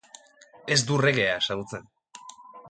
Ez du reggaea ezagutzen.